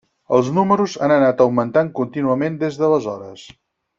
Els números han anat augmentant contínuament des d’aleshores.